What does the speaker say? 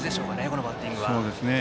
このバッティング。